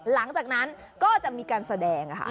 หลังจากนั้นก็จะมีการแสดงค่ะ